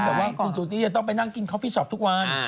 บอกว่าคุณซูซี่จะต้องไปนั่งกินคอฟฟี่ช็อปทุกวัน